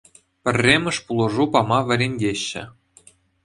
Пӗрремӗш пулӑшу пама вӗрентеҫҫӗ